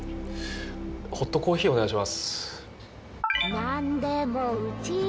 ホットコーヒーお願いします。